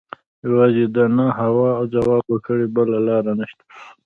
یوازې د نه او هو ځواب ورکړي بله لاره نشته.